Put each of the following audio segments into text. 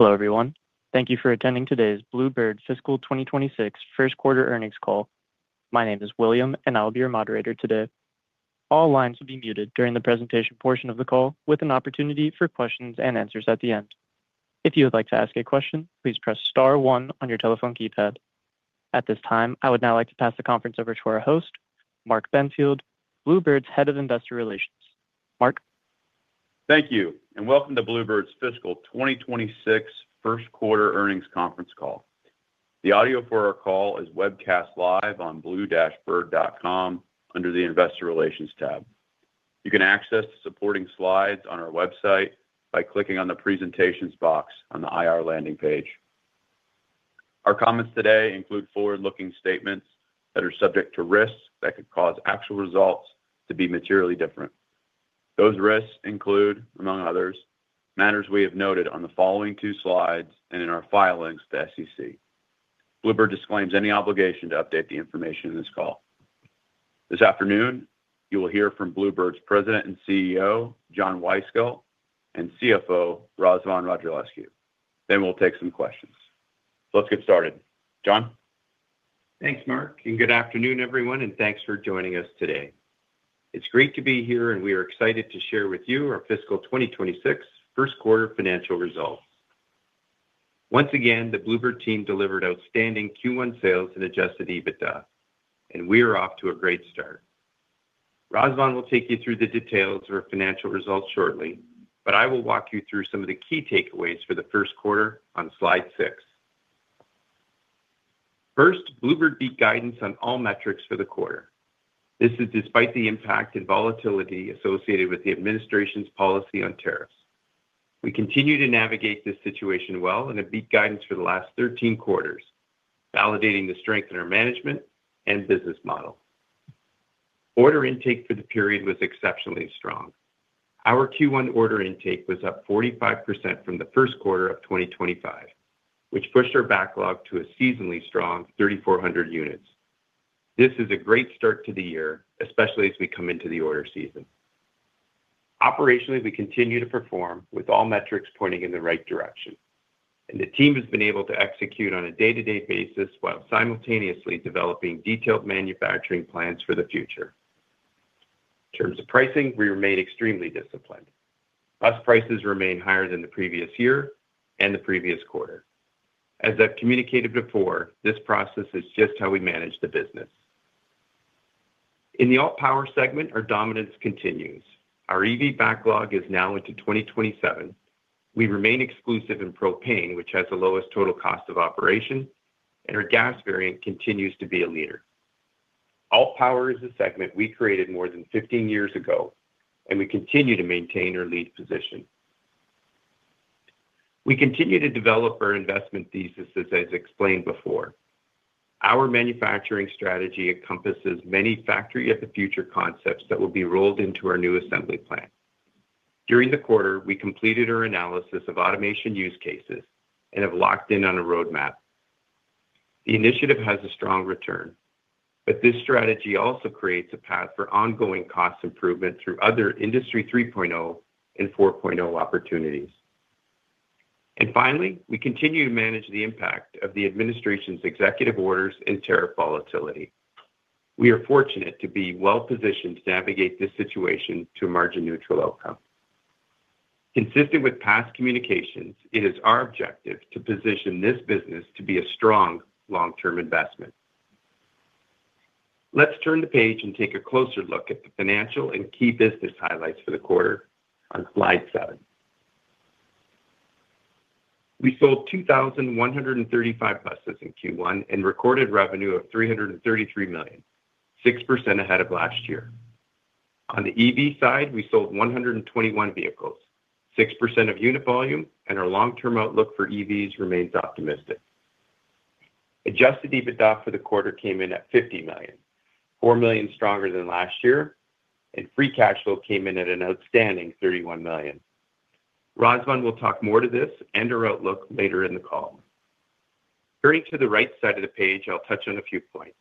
Hello, everyone. Thank you for attending today's Blue Bird Fiscal 2026 First Quarter earnings call. My name is William, and I'll be your moderator today. All lines will be muted during the presentation portion of the call, with an opportunity for questions and answers at the end. If you would like to ask a question, please press star one on your telephone keypad. At this time, I would now like to pass the conference over to our host, Mark Benfield, Blue Bird's Head of Investor Relations. Mark? Thank you, and welcome to Blue Bird's Fiscal 2026 first quarter earnings conference call. The audio for our call is webcast live on blue-bird.com under the Investor Relations tab. You can access the supporting slides on our website by clicking on the Presentations box on the IR landing page. Our comments today include forward-looking statements that are subject to risks that could cause actual results to be materially different. Those risks include, among others, matters we have noted on the following two slides and in our filings to SEC. Blue Bird disclaims any obligation to update the information in this call. This afternoon, you will hear from Blue Bird's President and CEO, John Wyskiel, and CFO, Razvan Radulescu. Then we'll take some questions. So let's get started. John? Thanks, Mark, and good afternoon, everyone, and thanks for joining us today. It's great to be here, and we are excited to share with you our fiscal 2026 first quarter financial results. Once again, the Blue Bird team delivered outstanding Q1 sales and Adjusted EBITDA, and we are off to a great start. Razvan will take you through the details of our financial results shortly, but I will walk you through some of the key takeaways for the first quarter on slide six. First, Blue Bird beat guidance on all metrics for the quarter. This is despite the impact and volatility associated with the administration's policy on tariffs. We continue to navigate this situation well and have beat guidance for the last 13 quarters, validating the strength in our management and business model. Order intake for the period was exceptionally strong. Our Q1 order intake was up 45% from the first quarter of 2025, which pushed our backlog to a seasonally strong 3,400 units. This is a great start to the year, especially as we come into the order season. Operationally, we continue to perform with all metrics pointing in the right direction, and the team has been able to execute on a day-to-day basis while simultaneously developing detailed manufacturing plans for the future. In terms of pricing, we remain extremely disciplined. Bus prices remain higher than the previous year and the previous quarter. As I've communicated before, this process is just how we manage the business. In the Alt Power segment, our dominance continues. Our EV backlog is now into 2027. We remain exclusive in propane, which has the lowest total cost of operation, and our gas variant continues to be a leader. Alt Power is a segment we created more than 15 years ago, and we continue to maintain our lead position. We continue to develop our investment thesis, as I explained before. Our manufacturing strategy encompasses many Factory of the Future concepts that will be rolled into our new assembly plant. During the quarter, we completed our analysis of automation use cases and have locked in on a roadmap. The initiative has a strong return, but this strategy also creates a path for ongoing cost improvement through other Industry 3.0 and 4.0 opportunities. And finally, we continue to manage the impact of the administration's executive orders and tariff volatility. We are fortunate to be well-positioned to navigate this situation to a margin-neutral outcome. Consistent with past communications, it is our objective to position this business to be a strong, long-term investment. Let's turn the page and take a closer look at the financial and key business highlights for the quarter on slide seven. We sold 2,135 buses in Q1 and recorded revenue of $333 million, 6% ahead of last year. On the EV side, we sold 121 vehicles, 6% of unit volume, and our long-term outlook for EVs remains optimistic. Adjusted EBITDA for the quarter came in at $50 million, $4 million stronger than last year, and free cash flow came in at an outstanding $31 million. Razvan will talk more to this and our outlook later in the call. Turning to the right side of the page, I'll touch on a few points.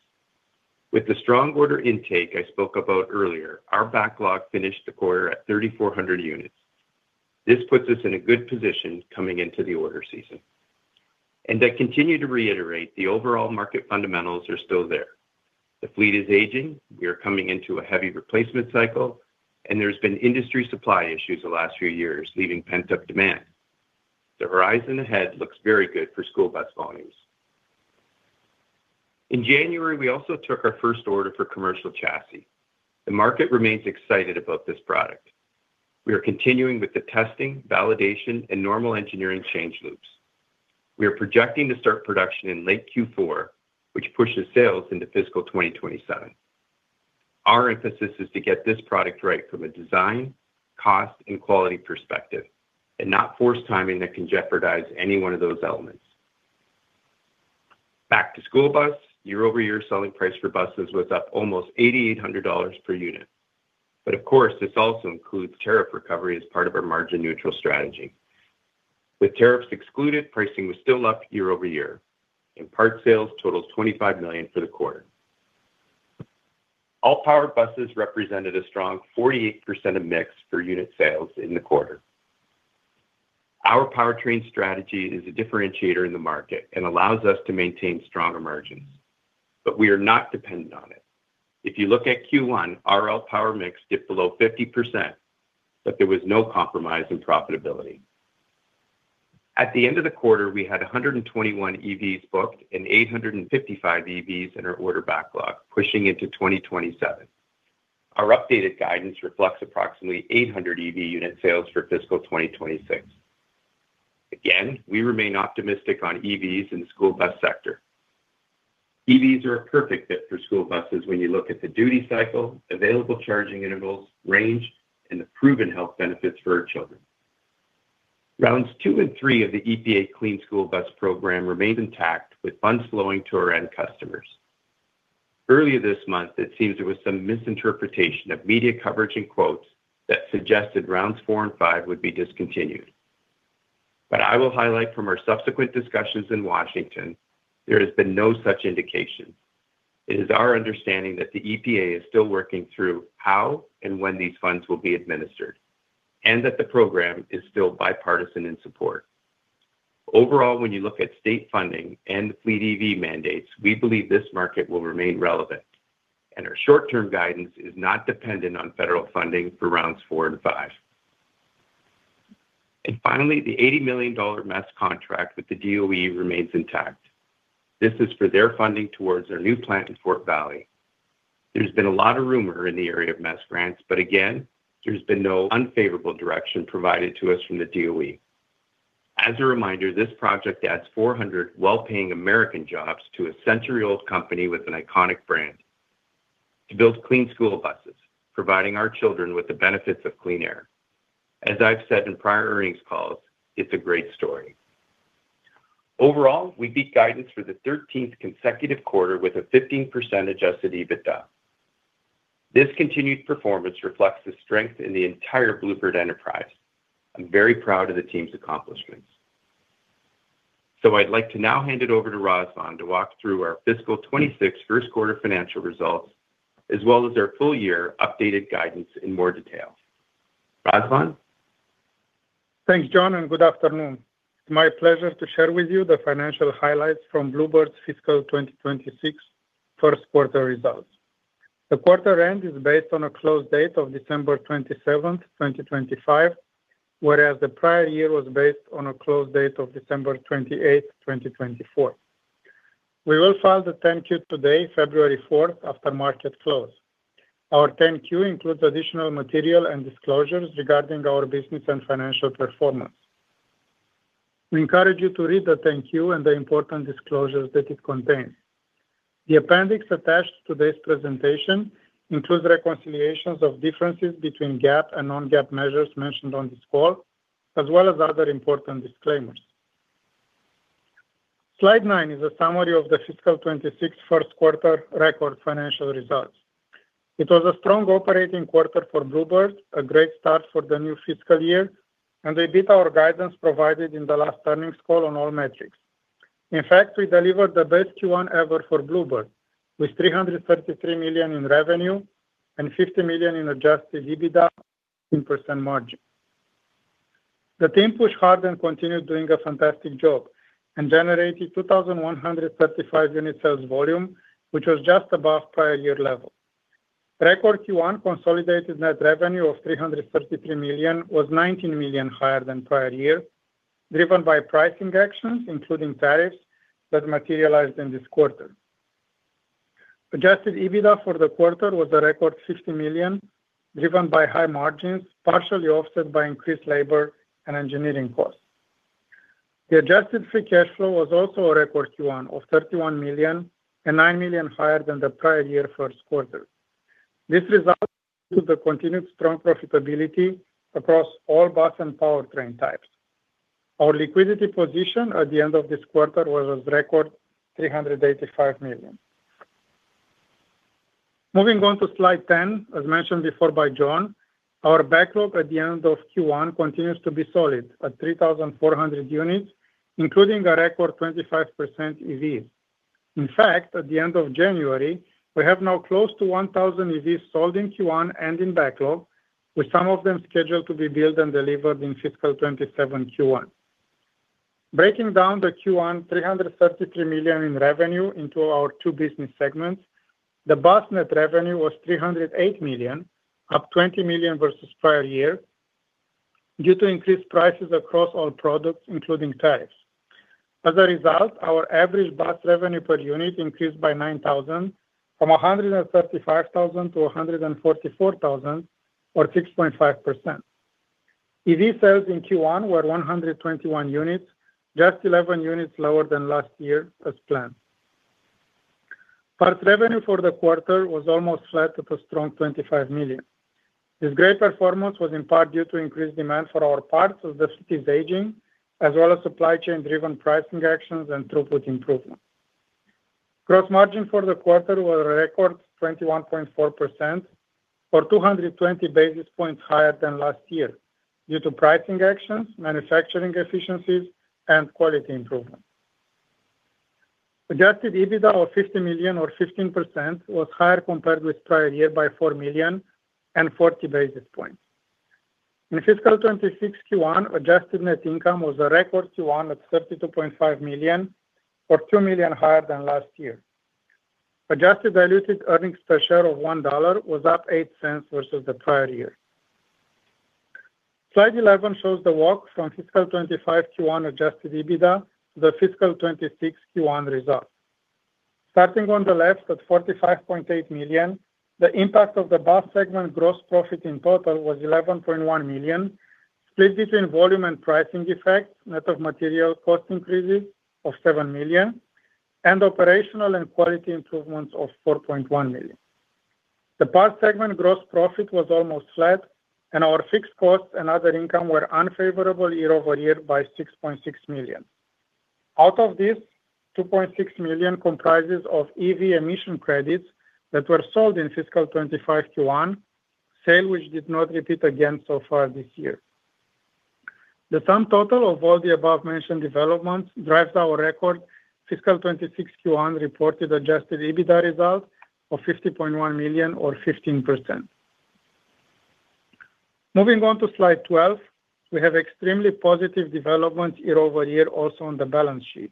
With the strong order intake I spoke about earlier, our backlog finished the quarter at 3,400 units. This puts us in a good position coming into the order season. I continue to reiterate the overall market fundamentals are still there. The fleet is aging, we are coming into a heavy replacement cycle, and there's been industry supply issues the last few years, leaving pent-up demand. The horizon ahead looks very good for school bus volumes. In January, we also took our first order for commercial chassis. The market remains excited about this product. We are continuing with the testing, validation, and normal engineering change loops. We are projecting to start production in late Q4, which pushes sales into fiscal 2027. Our emphasis is to get this product right from a design, cost, and quality perspective and not force timing that can jeopardize any one of those elements. Back to school bus. Year-over-year selling price for buses was up almost $8,800 per unit. But of course, this also includes tariff recovery as part of our margin-neutral strategy. With tariffs excluded, pricing was still up year-over-year, and parts sales totaled $25 million for the quarter. Alt power buses represented a strong 48% of mix for unit sales in the quarter. Our powertrain strategy is a differentiator in the market and allows us to maintain stronger margins, but we are not dependent on it. If you look at Q1, Alt power mix dipped below 50%, but there was no compromise in profitability. At the end of the quarter, we had 121 EVs booked and 855 EVs in our order backlog, pushing into 2027. Our updated guidance reflects approximately 800 EV unit sales for fiscal 2026. Again, we remain optimistic on EVs in the school bus sector. EVs are a perfect fit for school buses when you look at the duty cycle, available charging intervals, range, and the proven health benefits for our children. Rounds two and three of the EPA Clean School Bus Program remain intact, with funds flowing to our end customers. Earlier this month, it seems there was some misinterpretation of media coverage and quotes that suggested rounds four and five would be discontinued. But I will highlight, from our subsequent discussions in Washington, there has been no such indication. It is our understanding that the EPA is still working through how and when these funds will be administered, and that the program is still bipartisan in support. Overall, when you look at state funding and the fleet EV mandates, we believe this market will remain relevant, and our short-term guidance is not dependent on federal funding for rounds four and five. And finally, the $80 million MESC contract with the DOE remains intact. This is for their funding towards our new plant in Fort Valley. There's been a lot of rumor in the area of MESC grants, but again, there's been no unfavorable direction provided to us from the DOE. As a reminder, this project adds 400 well-paying American jobs to a century-old company with an iconic brand to build clean school buses, providing our children with the benefits of clean air. As I've said in prior earnings calls, it's a great story. Overall, we beat guidance for the 13th consecutive quarter with a 15% adjusted EBITDA. This continued performance reflects the strength in the entire Blue Bird enterprise. I'm very proud of the team's accomplishments. I'd like to now hand it over to Razvan to walk through our fiscal 2026 first quarter financial results, as well as our full year updated guidance in more detail. Razvan? Thanks, John, and good afternoon. It's my pleasure to share with you the financial highlights from Blue Bird's fiscal 2026 first quarter results. The quarter end is based on a close date of 27 December 2025, whereas the prior year was based on a close date of 28 December 2024. We will file the 10-Q today, 4 February, after market close. Our 10-Q includes additional material and disclosures regarding our business and financial performance. We encourage you to read the 10-Q and the important disclosures that it contains. The appendix attached to this presentation includes reconciliations of differences between GAAP and non-GAAP measures mentioned on this call, as well as other important disclaimers. Slide nine is a summary of the fiscal 2026 first quarter record financial results. It was a strong operating quarter for Blue Bird, a great start for the new fiscal year, and they beat our guidance provided in the last earnings call on all metrics. In fact, we delivered the best Q1 ever for Blue Bird, with $333 million in revenue and $50 million in Adjusted EBITDA in percent margin. The team pushed hard and continued doing a fantastic job and generated 2,135 unit sales volume, which was just above prior year level. Record Q1 consolidated net revenue of $333 million was $19 million higher than prior year, driven by pricing actions, including tariffs, that materialized in this quarter. Adjusted EBITDA for the quarter was a record $50 million, driven by high margins, partially offset by increased labor and engineering costs. The adjusted free cash flow was also a record Q1 of $31 million and $9 million higher than the prior-year first quarter. This result to the continued strong profitability across all bus and powertrain types. Our liquidity position at the end of this quarter was a record $385 million. Moving on to slide 10. As mentioned before by John, our backlog at the end of Q1 continues to be solid at 3,400 units, including a record 25% EVs. In fact, at the end of January, we have now close to 1,000 EVs sold in Q1 and in backlog, with some of them scheduled to be built and delivered in fiscal 2027 Q1. Breaking down the Q1, $333 million in revenue into our two business segments. The bus net revenue was $308 million, up $20 million versus prior year, due to increased prices across all products, including tariffs. As a result, our average bus revenue per unit increased by $9,000, from $135,000 to $144,000 or 6.5%. EV sales in Q1 were 121 units, just 11 units lower than last year, as planned. Parts revenue for the quarter was almost flat at a strong $25 million. This great performance was in part due to increased demand for our parts as the buses are aging, as well as supply chain-driven pricing actions and throughput improvement. Gross margin for the quarter was a record 21.4%, or 220 basis points higher than last year due to pricing actions, manufacturing efficiencies, and quality improvement. Adjusted EBITDA of $50 million or 15% was higher compared with prior year by $4 million and 40 basis points. In fiscal 2026 Q1, adjusted net income was a record Q1 at $32.5 million, or $2 million higher than last year. Adjusted diluted earnings per share of $1 was up $0.08 versus the prior year. Slide 11 shows the walk from fiscal 2025 Q1 adjusted EBITDA to the fiscal 2026 Q1 results. Starting on the left at $45.8 million, the impact of the bus segment gross profit in total was $11.1 million, split between volume and pricing effects, net of material cost increases of $7 million, and operational and quality improvements of $4.1 million. The bus segment gross profit was almost flat, and our fixed costs and other income were unfavorable year-over-year by $6.6 million. Out of this, $2.6 million comprises of EV emission credits that were sold in fiscal 2025 Q1, sale which did not repeat again so far this year. The sum total of all the above-mentioned developments drives our record fiscal 2026 Q1 reported adjusted EBITDA result of $50.1 million or 15%. Moving on to slide 12, we have extremely positive development year-over-year also on the balance sheet.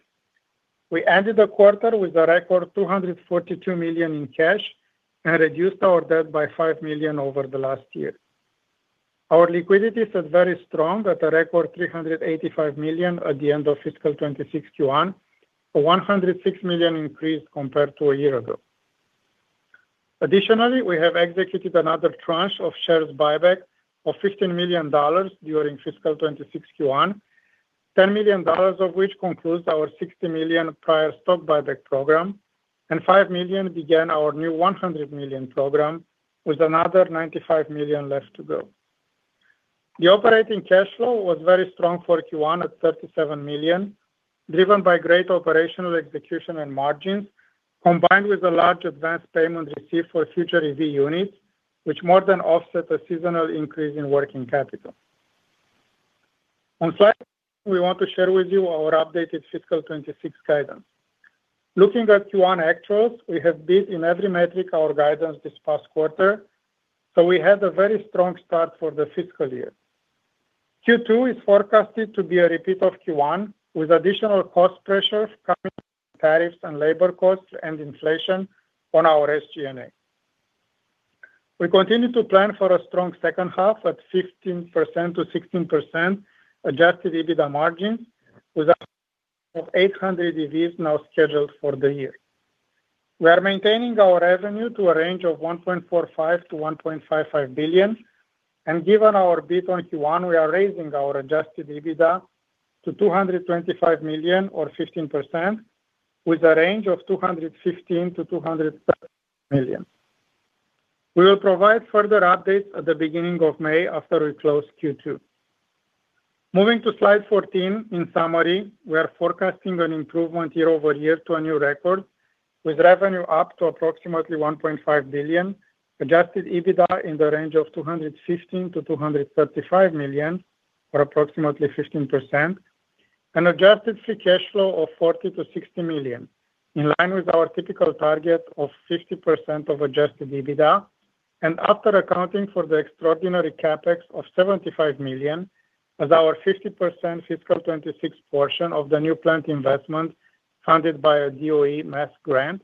We ended the quarter with a record $242 million in cash and reduced our debt by $5 million over the last year. Our liquidity stood very strong at a record $385 million at the end of fiscal 2026 Q1, a $106 million increase compared to a year ago. Additionally, we have executed another tranche of share buyback of $15 million during fiscal 2026 Q1, $10 million of which concludes our $60 million prior stock buyback program, and $5 million began our new $100 million program, with another $95 million left to go. The operating cash flow was very strong for Q1 at $37 million, driven by great operational execution and margins, combined with a large advanced payment received for future EV units, which more than offset the seasonal increase in working capital. On slide 13, we want to share with you our updated fiscal 2026 guidance. Looking at Q1 actuals, we have beat in every metric our guidance this past quarter, so we had a very strong start for the fiscal year. Q2 is forecasted to be a repeat of Q1, with additional cost pressures coming from tariffs and labor costs and inflation on our SG&A. We continue to plan for a strong second half at 15%-16% adjusted EBITDA margins, with 800 EVs now scheduled for the year. We are maintaining our revenue to a range of $1.45 billion-$1.55 billion, and given our beat on Q1, we are raising our adjusted EBITDA to $225 million or 15%, with a range of $215 million-$200 million. We will provide further updates at the beginning of May after we close Q2. Moving to slide 14, in summary, we are forecasting an improvement year over year to a new record, with revenue up to approximately $1.5 billion, adjusted EBITDA in the range of $215 million-$235 million, or approximately 15%, and adjusted free cash flow of $40 million-$60 million, in line with our typical target of 50% of adjusted EBITDA. After accounting for the extraordinary CapEx of $75 million, as our 50% fiscal 2026 portion of the new plant investment funded by a DOE MESC grant,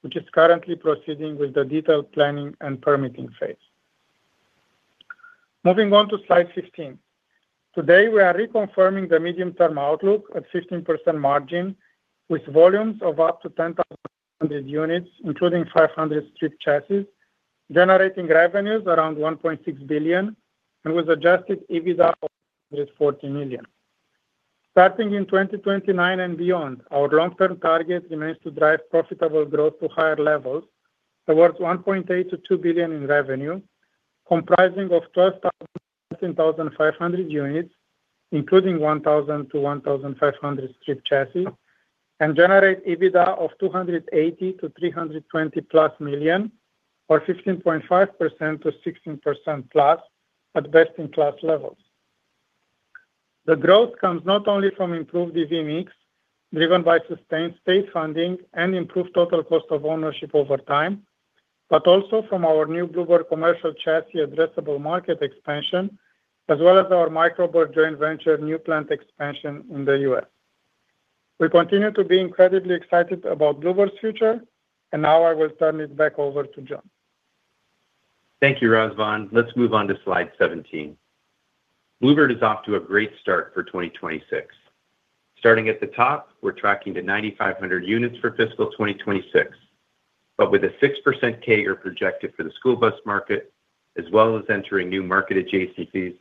which is currently proceeding with the detailed planning and permitting phase. Moving on to slide 16. Today, we are reconfirming the medium-term outlook at 15% margin, with volumes of up to 10,000 units, including 500 strip chassis, generating revenues around $1.6 billion and with adjusted EBITDA of $40 million. Starting in 2029 and beyond, our long-term target remains to drive profitable growth to higher levels towards $1.8-$2 billion in revenue, comprising of 12,000, 13,500 units, including 1,000-1,500 strip chassis, and generate EBITDA of $280-$320+ million, or 15.5%-16%+ at best-in-class levels. The growth comes not only from improved EV mix, driven by sustained state funding and improved total cost of ownership over time, but also from our new Blue Bird Commercial Chassis addressable market expansion, as well as our Micro Bird joint venture new plant expansion in the U.S. We continue to be incredibly excited about Blue Bird's future, and now I will turn it back over to John. Thank you, Razvan. Let's move on to slide 17. Blue Bird is off to a great start for 2026. Starting at the top, we're tracking to 9,500 units for fiscal 2026, but with a 6% CAGR projected for the school bus market, as well as entering new market adjacencies,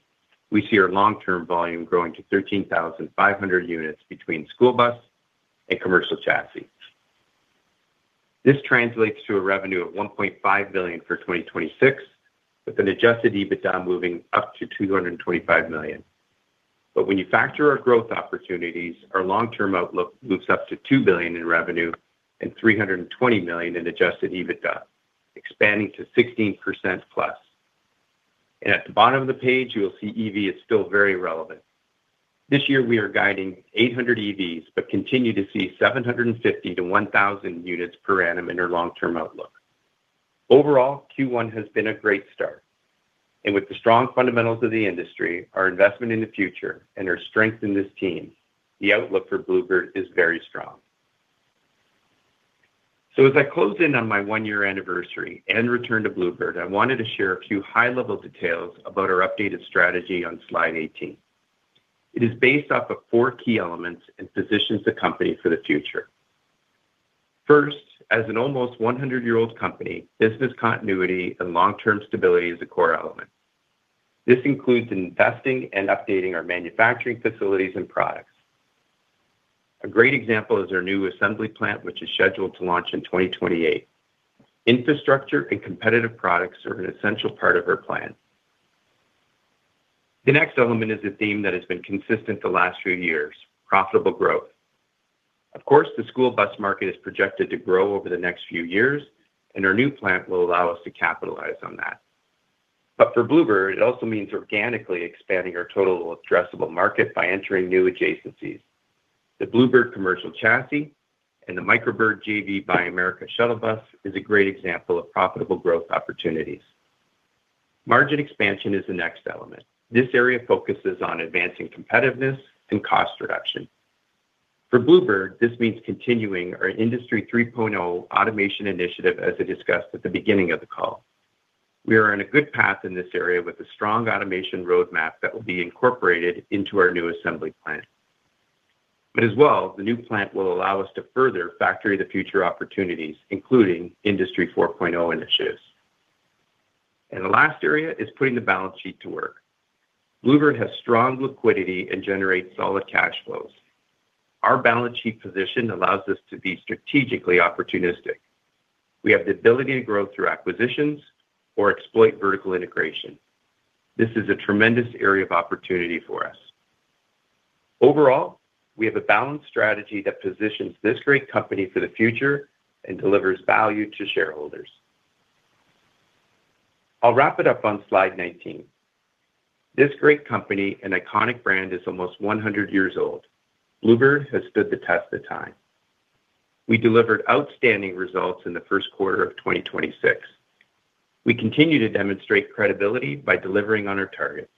we see our long-term volume growing to 13,500 units between school bus and commercial chassis. This translates to a revenue of $1.5 billion for 2026, with an Adjusted EBITDA moving up to $225 million. But when you factor our growth opportunities, our long-term outlook moves up to $2 billion in revenue and $320 million in Adjusted EBITDA, expanding to 16%+. And at the bottom of the page, you'll see EV is still very relevant. This year we are guiding 800 EVs, but continue to see 750-1,000 units per annum in our long-term outlook. Overall, Q1 has been a great start, and with the strong fundamentals of the industry, our investment in the future, and our strength in this team, the outlook for Blue Bird is very strong. So as I close in on my 1-year anniversary and return to Blue Bird, I wanted to share a few high-level details about our updated strategy on slide 18. It is based off of 4 key elements and positions the company for the future. First, as an almost 100-year-old company, business continuity and long-term stability is a core element. This includes investing and updating our manufacturing facilities and products. A great example is our new assembly plant, which is scheduled to launch in 2028. Infrastructure and competitive products are an essential part of our plan. The next element is a theme that has been consistent the last few years: profitable growth. Of course, the school bus market is projected to grow over the next few years, and our new plant will allow us to capitalize on that. But for Blue Bird, it also means organically expanding our total addressable market by entering new adjacencies. The Blue Bird Commercial Chassis and the Micro Bird JV by America Shuttle Bus is a great example of profitable growth opportunities. Margin expansion is the next element. This area focuses on advancing competitiveness and cost reduction. For Blue Bird, this means continuing our Industry 3.0 automation initiative, as I discussed at the beginning of the call. We are on a good path in this area with a strong automation roadmap that will be incorporated into our new assembly plant. As well, the new plant will allow us to further the Factory of the Future opportunities, including Industry 4.0 initiatives. The last area is putting the balance sheet to work. Blue Bird has strong liquidity and generates solid cash flows. Our balance sheet position allows us to be strategically opportunistic. We have the ability to grow through acquisitions or exploit vertical integration. This is a tremendous area of opportunity for us. Overall, we have a balanced strategy that positions this great company for the future and delivers value to shareholders. I'll wrap it up on slide 19. This great company and iconic brand is almost 100 years old. Blue Bird has stood the test of time. We delivered outstanding results in the first quarter of 2026. We continue to demonstrate credibility by delivering on our targets.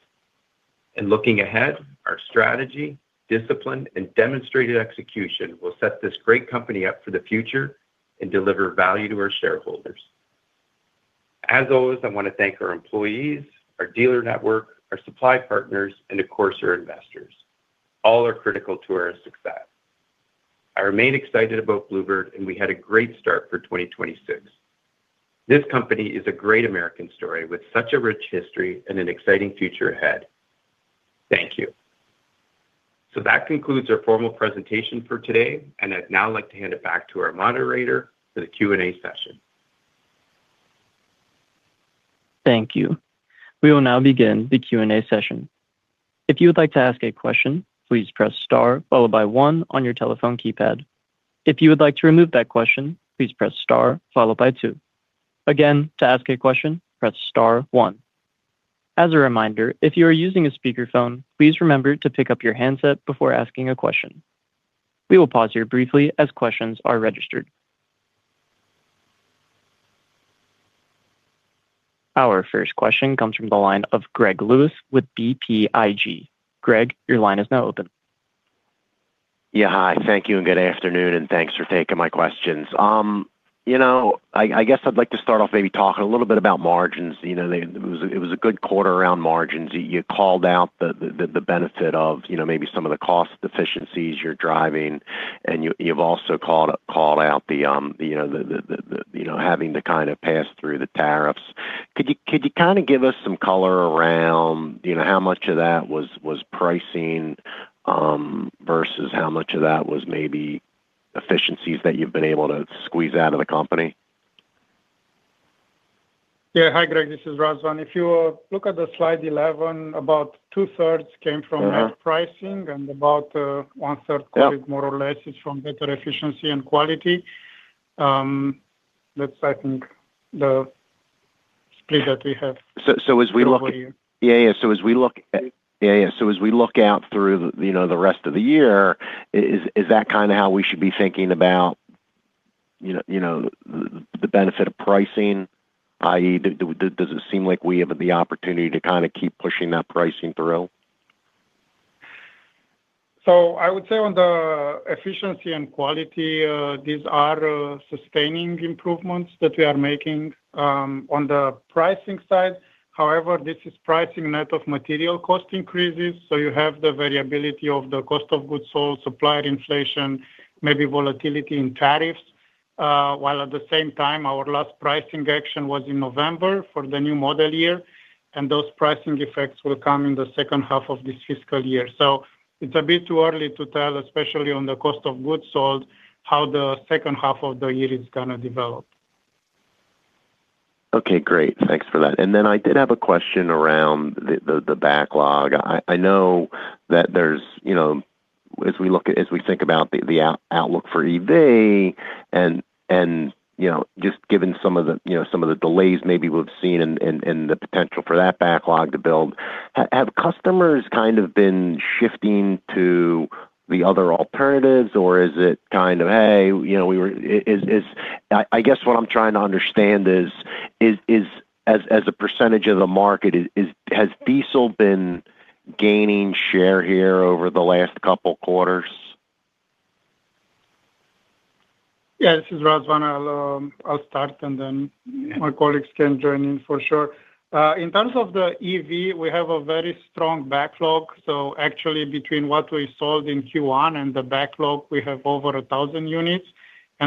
Looking ahead, our strategy, discipline, and demonstrated execution will set this great company up for the future and deliver value to our shareholders. As always, I want to thank our employees, our dealer network, our supply partners, and of course, our investors. All are critical to our success. I remain excited about Blue Bird, and we had a great start for 2026. This company is a great American story with such a rich history and an exciting future ahead. Thank you. That concludes our formal presentation for today, and I'd now like to hand it back to our moderator for the Q&A session. Thank you. We will now begin the Q&A session. If you would like to ask a question, please press star followed by one on your telephone keypad. If you would like to remove that question, please press star followed by two. Again, to ask a question, press star one. As a reminder, if you are using a speakerphone, please remember to pick up your handset before asking a question. We will pause here briefly as questions are registered. Our first question comes from the line of Greg Lewis with BTIG. Greg, your line is now open. Yeah. Hi, thank you, and good afternoon, and thanks for taking my questions. You know, I guess I'd like to start off maybe talking a little bit about margins. You know, it was a good quarter around margins. You called out the benefit of, you know, maybe some of the cost efficiencies you're driving, and you've also called out the, you know, having to kind of pass through the tariffs. Could you kind of give us some color around, you know, how much of that was pricing versus how much of that was maybe efficiencies that you've been able to squeeze out of the company? Yeah. Hi, Greg, this is Razvan. If you look at the slide 11, about two-thirds came from Uh-huh pricing and about, one-third. Yeah More or less, is from better efficiency and quality. That's, I think, the split that we have. So as we look, yeah. Yeah, yeah. So as we look out through, you know, the rest of the year, is that kind of how we should be thinking about, you know, you know, the benefit of pricing, i.e., does it seem like we have the opportunity to kind of keep pushing that pricing through? So I would say on the efficiency and quality, these are sustaining improvements that we are making, on the pricing side. However, this is pricing net of material cost increases, so you have the variability of the cost of goods sold, supplier inflation, maybe volatility in tariffs. While at the same time, our last pricing action was in November for the new model year, and those pricing effects will come in the second half of this fiscal year. So it's a bit too early to tell, especially on the cost of goods sold, how the second half of the year is gonna develop. Okay, great. Thanks for that. And then I did have a question around the backlog. I know that there's, you know, as we think about the outlook for EV and, you know, just given some of the delays maybe we've seen and the potential for that backlog to build, have customers kind of been shifting to the other alternatives, or is it kind of, hey, you know, we were, is, I guess what I'm trying to understand is, as a percentage of the market, is, has diesel been gaining share here over the last couple quarters? Yeah, this is Razvan. I'll start, and then my colleagues can join in for sure. In terms of the EV, we have a very strong backlog, so actually between what we sold in Q1 and the backlog, we have over 1,000 units.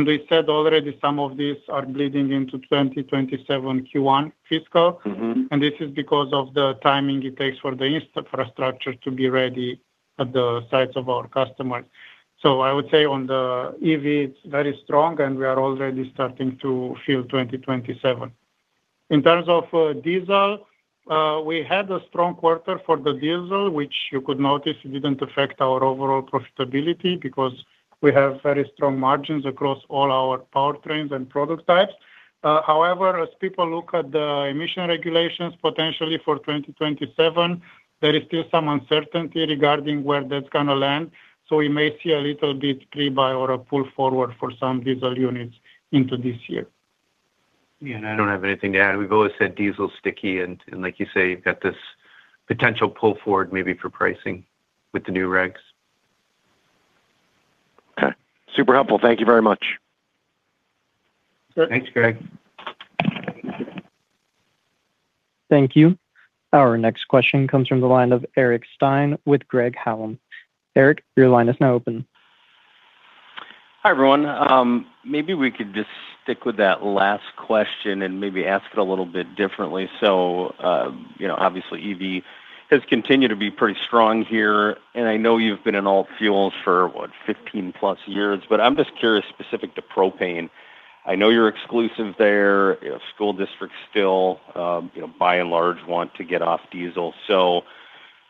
We said already some of these are bleeding into 2027 Q1 fiscal. Mm-hmm. This is because of the timing it takes for the infrastructure to be ready at the sites of our customers. So I would say on the EV, it's very strong, and we are already starting to feel 2027. In terms of diesel, we had a strong quarter for the diesel, which you could notice it didn't affect our overall profitability because we have very strong margins across all our powertrains and product types. However, as people look at the emission regulations, potentially for 2027, there is still some uncertainty regarding where that's gonna land. So we may see a little bit pre-buy or a pull forward for some diesel units into this year. Yeah, and I don't have anything to add. We've always said diesel is sticky, and like you say, you've got this potential pull forward maybe for pricing with the new regs. Okay. Super helpful. Thank you very much. Thanks, Greg. Thank you. Our next question comes from the line of Eric Stine with Craig-Hallum. Eric, your line is now open. Hi, everyone. Maybe we could just stick with that last question and maybe ask it a little bit differently. So, you know, obviously, EV has continued to be pretty strong here, and I know you've been in all fuels for, what, 15+ years, but I'm just curious, specific to propane, I know you're exclusive there. You know, school districts still, you know, by and large, want to get off diesel. So,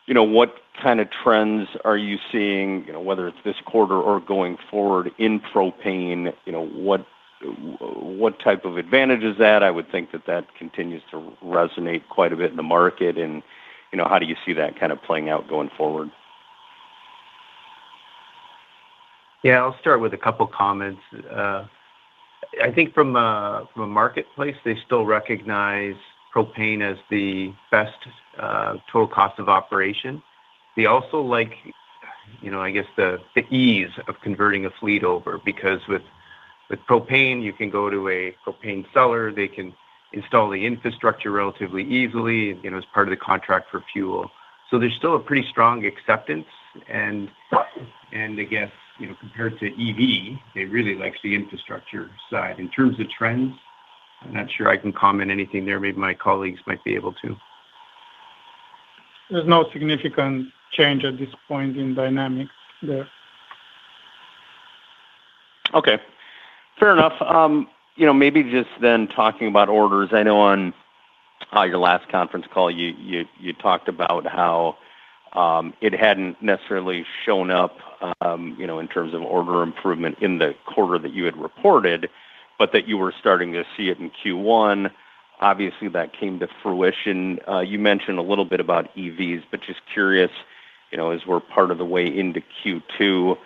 you know, what kind of trends are you seeing, you know, whether it's this quarter or going forward in propane, you know, what type of advantage is that? I would think that that continues to resonate quite a bit in the market, and, you know, how do you see that kind of playing out going forward? Yeah, I'll start with a couple comments. I think from a marketplace, they still recognize propane as the best total cost of operation. They also like, you know, I guess, the ease of converting a fleet over, because with propane, you can go to a propane seller, they can install the infrastructure relatively easily, and, you know, as part of the contract for fuel. So there's still a pretty strong acceptance, and I guess, you know, compared to EV, it really likes the infrastructure side. In terms of trends, I'm not sure I can comment anything there. Maybe my colleagues might be able to. There's no significant change at this point in dynamics there. Okay, fair enough. You know, maybe just then talking about orders. I know on your last conference call, you talked about how it hadn't necessarily shown up, you know, in terms of order improvement in the quarter that you had reported, but that you were starting to see it in Q1. Obviously, that came to fruition. You mentioned a little bit about EVs, but just curious, you know, as we're part of the way into Q2,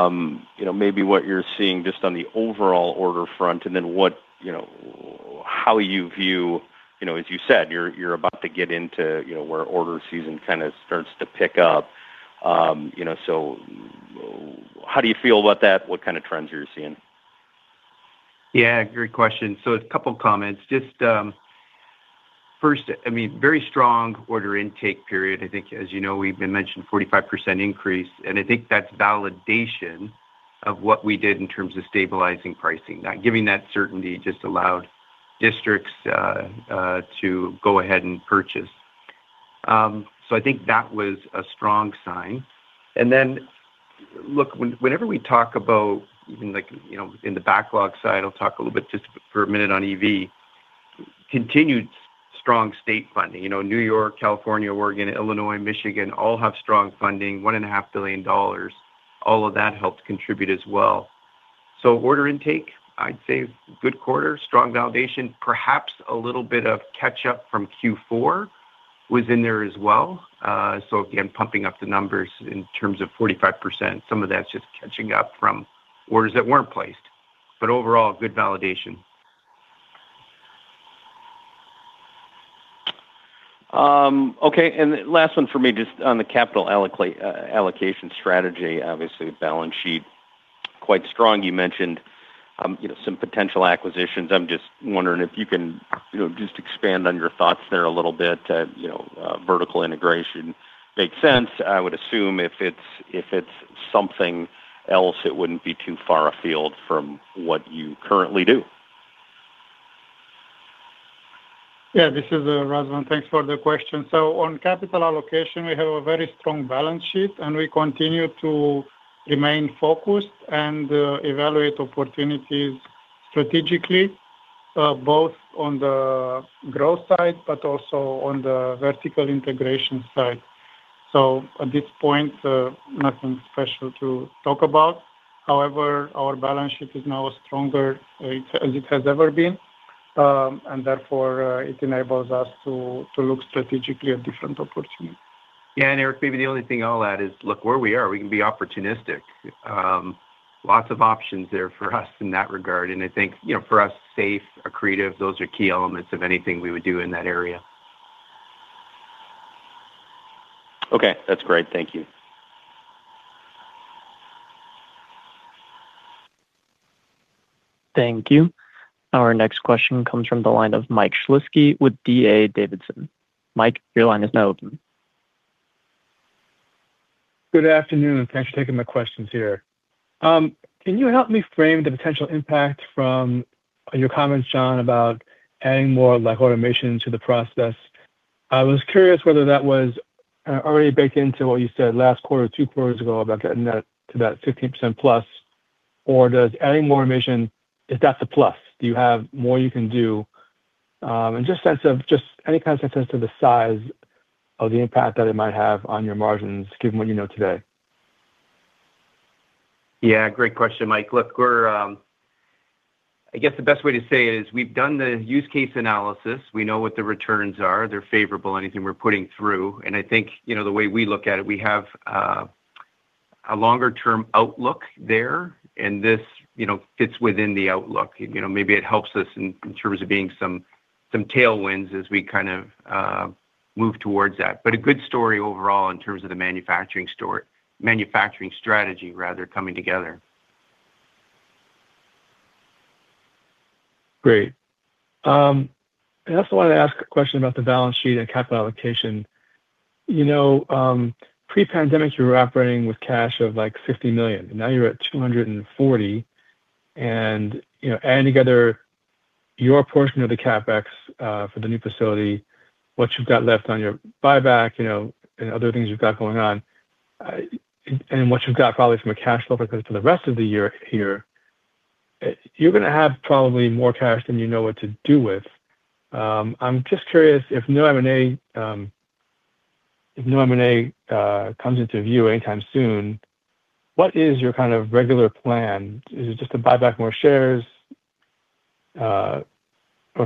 you know, maybe what you're seeing just on the overall order front, and then what, you know, how you view. You know, as you said, you're about to get into, you know, where order season kinda starts to pick up. You know, so how do you feel about that? What kind of trends are you seeing? Yeah, great question. So a couple comments. Just, first, I mean, very strong order intake period. I think, as you know, we've been mentioning 45% increase, and I think that's validation of what we did in terms of stabilizing pricing. Now, giving that certainty just allowed districts to go ahead and purchase. So I think that was a strong sign. And then, look, whenever we talk about, like, you know, in the backlog side, I'll talk a little bit just for a minute on EV, continued strong state funding. You know, New York, California, Oregon, Illinois, Michigan, all have strong funding, $1.5 billion. All of that helped contribute as well. So order intake, I'd say good quarter, strong validation. Perhaps a little bit of catch-up from Q4 was in there as well. So again, pumping up the numbers in terms of 45%, some of that's just catching up from orders that weren't placed. But overall, good validation. Okay, and last one for me, just on the capital allocation strategy. Obviously, balance sheet, quite strong. You mentioned, you know, some potential acquisitions. I'm just wondering if you can, you know, just expand on your thoughts there a little bit. You know, vertical integration makes sense. I would assume if it's, if it's something else, it wouldn't be too far afield from what you currently do. Yeah, this is Razvan. Thanks for the question. So on capital allocation, we have a very strong balance sheet, and we continue to remain focused and evaluate opportunities strategically both on the growth side, but also on the vertical integration side. So at this point, nothing special to talk about. However, our balance sheet is now stronger as it has ever been, and therefore it enables us to look strategically at different opportunities. Yeah, and Eric, maybe the only thing I'll add is, look, where we are, we can be opportunistic. Lots of options there for us in that regard, and I think, you know, for us, safe, accretive, those are key elements of anything we would do in that area. Okay, that's great. Thank you. Thank you. Our next question comes from the line of Mike Shlisky with D.A. Davidson. Mike, your line is now open. Good afternoon. Thanks for taking my questions here. Can you help me frame the potential impact from your comments, John, about adding more, like, automation to the process? I was curious whether that was already baked into what you said last quarter, two quarters ago, about getting that to about 15% plus, or does adding more automation, is that the plus? Do you have more you can do? And just any kind of sense as to the size of the impact that it might have on your margins, given what you know today. Yeah, great question, Mike. Look, we're, I guess the best way to say it is we've done the use case analysis. We know what the returns are. They're favorable, anything we're putting through, and I think, you know, the way we look at it, we have, a longer-term outlook there, and this, you know, fits within the outlook. You know, maybe it helps us in, in terms of being some, some tailwinds as we kind of, move towards that. But a good story overall in terms of the manufacturing story, manufacturing strategy, rather, coming together. Great. I also wanted to ask a question about the balance sheet and capital allocation. You know, pre-pandemic, you were operating with cash of, like, $50 million, and now you're at $240 million. And, you know, adding together your portion of the CapEx, for the new facility, what you've got left on your buyback, you know, and other things you've got going on, and what you've got probably from a cash flow perspective for the rest of the year here, you're gonna have probably more cash than you know what to do with. I'm just curious, if no M&A, if no M&A, comes into view anytime soon, what is your kind of regular plan? Is it just to buy back more shares, or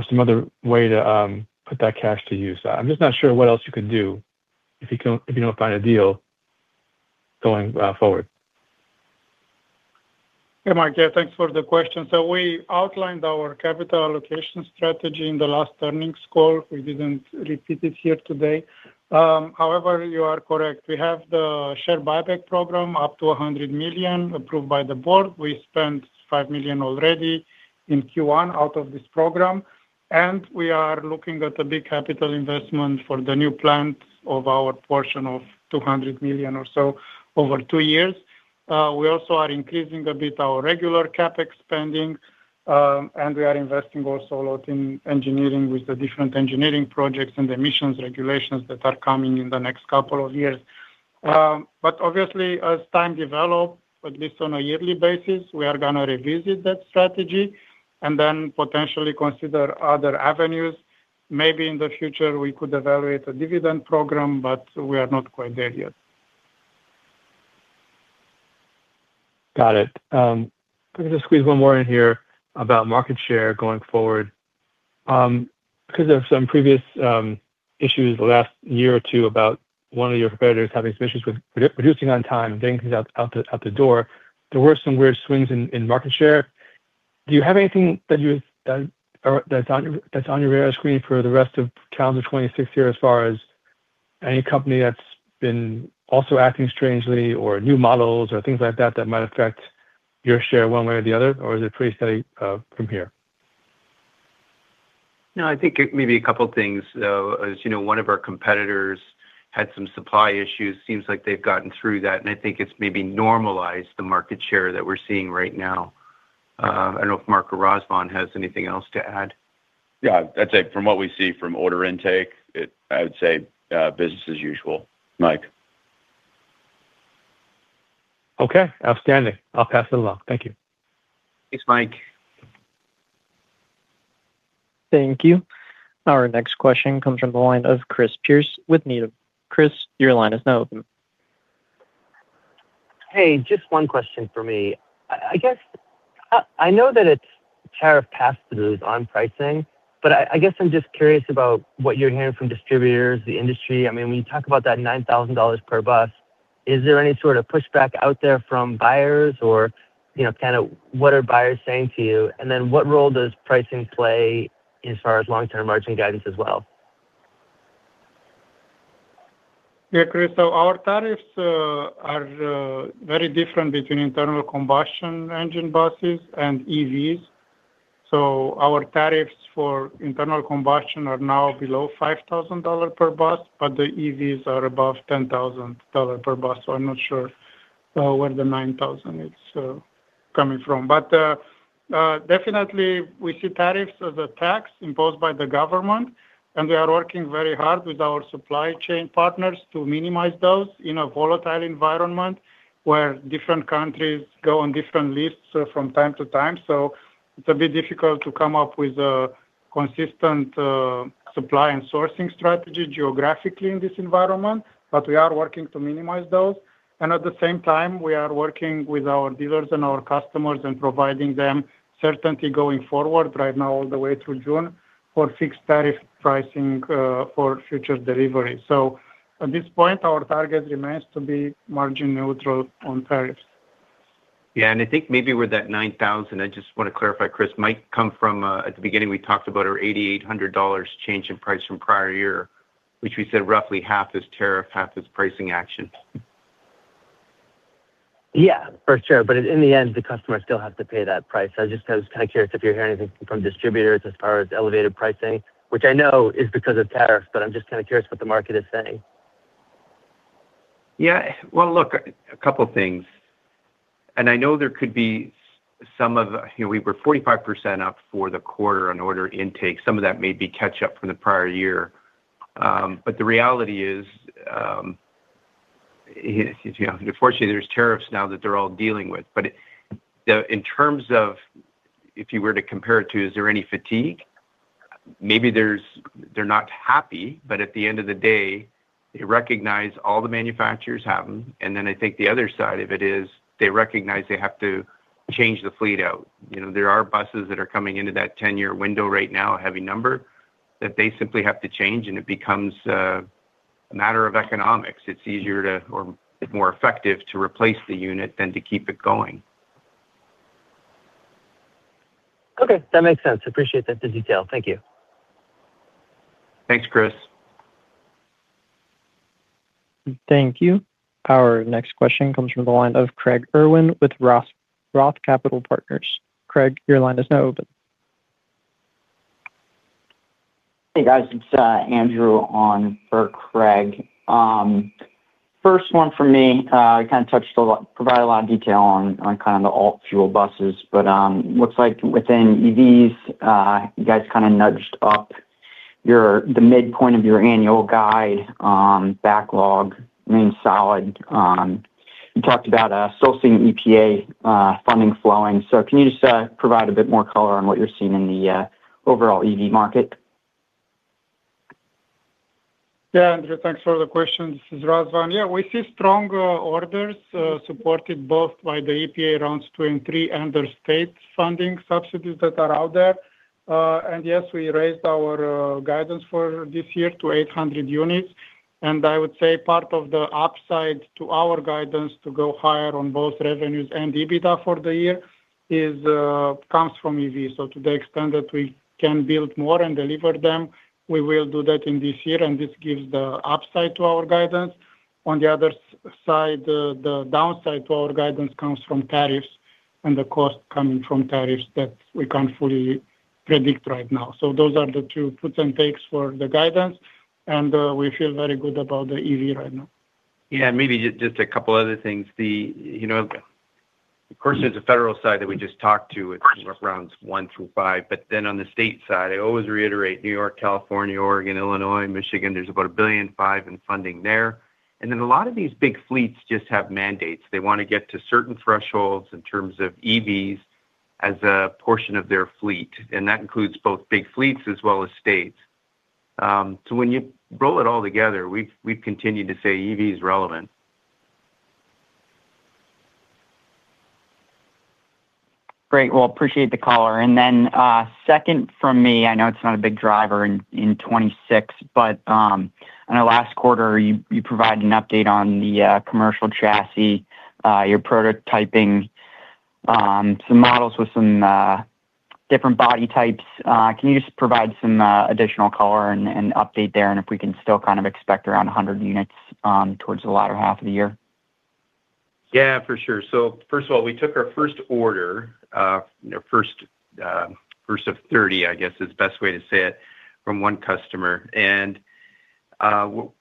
some other way to, put that cash to use? I'm just not sure what else you could do if you don't, if you don't find a deal going, forward. Hey, Mike. Yeah, thanks for the question. So we outlined our capital allocation strategy in the last earnings call. We didn't repeat it here today. However, you are correct. We have the share buyback program, up to $100 million, approved by the board. We spent $5 million already in Q1 out of this program, and we are looking at a big capital investment for the new plant of our portion of $200 million or so over 2 years. We also are increasing a bit our regular CapEx spending, and we are investing also a lot in engineering with the different engineering projects and emissions regulations that are coming in the next couple of years. But obviously, as time develop, at least on a yearly basis, we are gonna revisit that strategy and then potentially consider other avenues. Maybe in the future, we could evaluate a dividend program, but we are not quite there yet. Got it. Can I just squeeze one more in here about market share going forward? Because of some previous issues the last year or two about one of your competitors having issues with producing on time and getting things out the door, there were some weird swings in market share. Do you have anything that's on your radar screen for the rest of calendar 2026, as far as any company that's been also acting strangely or new models or things like that, that might affect your share one way or the other? Or is it pretty steady from here? No, I think it may be a couple of things, though. As you know, one of our competitors had some supply issues. Seems like they've gotten through that, and I think it's maybe normalized the market share that we're seeing right now. I don't know if Mark or Osman has anything else to add. Yeah, I'd say from what we see from order intake, it, I would say, business as usual, Mike. Okay, outstanding. I'll pass it along. Thank you. Thanks, Mike. Thank you. Our next question comes from the line of Chris Pierce with Needham. Chris, your line is now open. Hey, just one question for me. I guess, I know that it's tariff passed through on pricing, but I guess I'm just curious about what you're hearing from distributors, the industry. I mean, when you talk about that $9,000 per bus, is there any sort of pushback out there from buyers or, you know, kind of what are buyers saying to you? And then what role does pricing play as far as long-term margin guidance as well? Yeah, Chris, so our tariffs are very different between internal combustion engine buses and EVs. So our tariffs for internal combustion are now below $5,000 per bus, but the EVs are above $10,000 per bus. So I'm not sure where the $9,000 is coming from. But definitely we see tariffs as a tax imposed by the government, and we are working very hard with our supply chain partners to minimize those in a volatile environment where different countries go on different lists from time to time. It's a bit difficult to come up with a consistent supply and sourcing strategy geographically in this environment, but we are working to minimize those. At the same time, we are working with our dealers and our customers and providing them certainty going forward right now, all the way through June, for fixed tariff pricing, for future delivery. At this point, our target remains to be margin neutral on tariffs. Yeah, and I think maybe with that $9,000, I just want to clarify, Chris, might come from, at the beginning, we talked about our $8,800 change in price from prior year, which we said roughly half is tariff, half is pricing action. Yeah, for sure. But in the end, the customer still has to pay that price. I just was kind of curious if you're hearing anything from distributors as far as elevated pricing, which I know is because of tariffs, but I'm just kind of curious what the market is saying. Yeah. Well, look, a couple of things. I know there could be some of, you know, we were 45% up for the quarter on order intake. Some of that may be catch up from the prior year. But the reality is, you know, unfortunately, there's tariffs now that they're all dealing with. But in terms of if you were to compare it to, is there any fatigue? Maybe there's they're not happy, but at the end of the day, they recognize all the manufacturers have them. And then I think the other side of it is they recognize they have to change the fleet out. You know, there are buses that are coming into that 10-year window right now, a heavy number, that they simply have to change, and it becomes a matter of economics. It's easier to or it's more effective to replace the unit than to keep it going. Okay, that makes sense. Appreciate the detail. Thank you. Thanks, Chris. Thank you. Our next question comes from the line of Craig Irwin with Roth, Roth Capital Partners. Craig, your line is now open. Hey, guys, it's Andrew on for Craig. First one for me, you kind of touched a lot, provided a lot of detail on kind of the alt fuel buses, but looks like within EVs, you guys kind of nudged up the midpoint of your annual guide, backlog remains solid. You talked about sourcing EPA funding flowing. So can you just provide a bit more color on what you're seeing in the overall EV market? Yeah, Andrew, thanks for the question. This is Razvan. Yeah, we see stronger orders, supported both by the EPA rounds two and three and the state funding subsidies that are out there. And yes, we raised our guidance for this year to 800 units, and I would say part of the upside to our guidance to go higher on both revenues and EBITDA for the year is comes from EV. So to the extent that we can build more and deliver them, we will do that in this year, and this gives the upside to our guidance. On the other side, the downside to our guidance comes from tariffs and the cost coming from tariffs that we can't fully predict right now. So those are the two puts and takes for the guidance, and we feel very good about the EV right now. Yeah, maybe just, just a couple other things. The, you know, of course, there's a federal side that we just talked to with rounds 1 through 5, but then on the state side, I always reiterate, New York, California, Oregon, Illinois, and Michigan, there's about $1.5 billion in funding there. And then a lot of these big fleets just have mandates. They want to get to certain thresholds in terms of EVs as a portion of their fleet, and that includes both big fleets as well as states. So when you roll it all together, we've continued to say EV is relevant. Great. Well, appreciate the color. And then, second from me, I know it's not a big driver in 2026, but I know last quarter, you provided an update on the commercial chassis. You're prototyping some models with some different body types. Can you just provide some additional color and update there, and if we can still kind of expect around 100 units towards the latter half of the year? Yeah, for sure. So first of all, we took our first order, first of 30, I guess, is the best way to say it, from one customer. And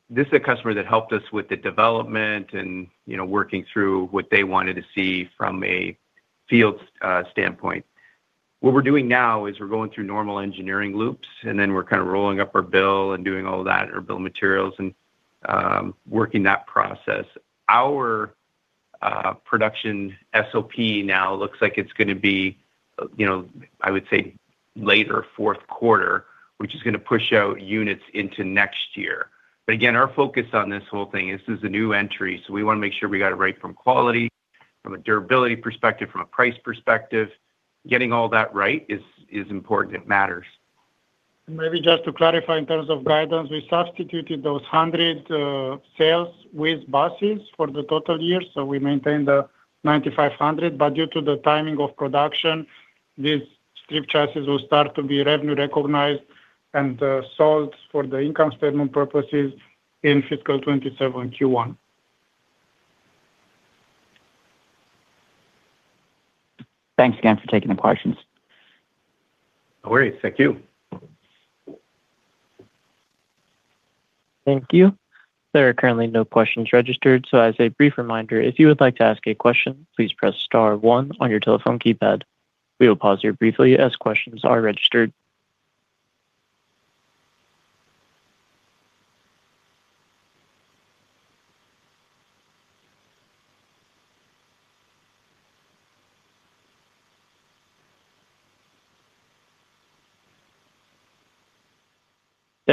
this is a customer that helped us with the development and, you know, working through what they wanted to see from a field standpoint. What we're doing now is we're going through normal engineering loops, and then we're kind of rolling up our bill of materials and doing all that, working that process. Our production SOP now looks like it's gonna be, you know, I would say, later fourth quarter, which is gonna push out units into next year. But again, our focus on this whole thing, this is a new entry, so we want to make sure we got it right from quality, from a durability perspective, from a price perspective. Getting all that right is important. It matters. Maybe just to clarify in terms of guidance, we substituted those 100 sales with buses for the total year, so we maintained the 9,500. But due to the timing of production, these strip chassis will start to be revenue recognized and sold for the income statement purposes in fiscal 2027 Q1. Thanks again for taking the questions. No worries. Thank you. Thank you. There are currently no questions registered, so as a brief reminder, if you would like to ask a question, please press star one on your telephone keypad. We will pause here briefly as questions are registered.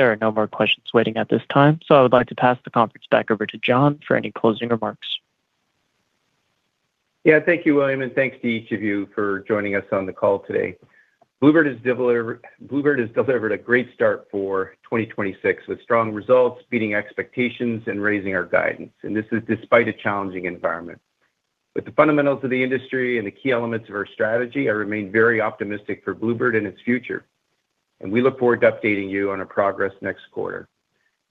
There are no more questions waiting at this time, so I would like to pass the conference back over to John for any closing remarks. Yeah, thank you, William, and thanks to each of you for joining us on the call today. Blue Bird has delivered a great start for 2026 with strong results, beating expectations and raising our guidance, and this is despite a challenging environment. With the fundamentals of the industry and the key elements of our strategy, I remain very optimistic for Blue Bird and its future, and we look forward to updating you on our progress next quarter.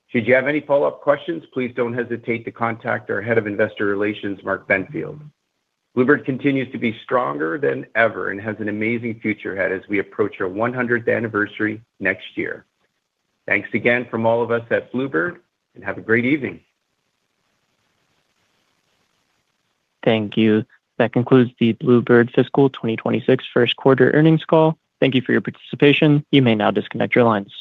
Should you have any follow-up questions, please don't hesitate to contact our Head of Investor Relations, Mark Benfield. Blue Bird continues to be stronger than ever and has an amazing future ahead as we approach our one hundredth anniversary next year. Thanks again from all of us at Blue Bird, and have a great evening. Thank you. That concludes the Blue Bird Fiscal 2026 First Quarter earnings call. Thank you for your participation. You may now disconnect your lines.